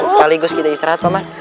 sekaligus kita istirahat pak man